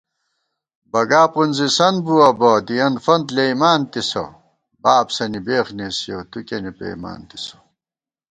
بگا پُنزِسن بُوَہ بہ دِیَن فنت لېئیمان تِسہ تِسہ * بابسَنی بېخ نېسِیَؤ تُو کېنےپېئیمانتِسہ